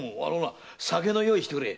酒の用意をしてくれ。